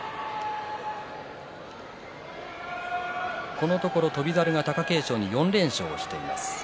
このところ翔猿が貴景勝に４連勝しています。